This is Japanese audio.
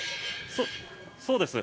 そうです。